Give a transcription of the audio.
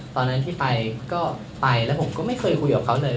ตอนนั้นที่ไปก็ไปแล้วผมก็ไม่เคยคุยกับเขาเลย